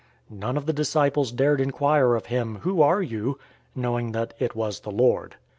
None of the disciples dared inquire of him, "Who are you?" knowing that it was the Lord.